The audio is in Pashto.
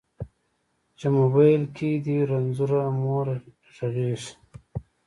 چې موبایل کې دې رنځوره مور غږیږي